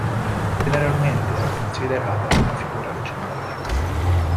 Generalmente è considerata una figura leggendaria.